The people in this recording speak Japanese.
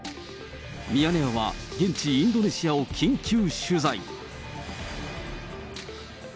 ミヤネ屋は現地インドネシアを緊急取材。